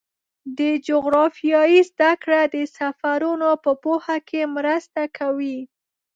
د جغرافیې زدهکړه د سفرونو په پوهه کې مرسته کوي.